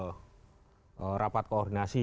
misalnya ketika menteri melakukan apa itu rapat koordinasi